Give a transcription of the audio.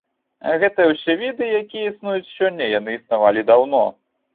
Гэтыя ўсе віды, якія існуюць сёння, яны існавалі даўно.